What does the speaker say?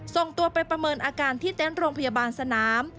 ส่งตัวไปประเมินอาการที่เต็นต์โรงพยาบาลสนาม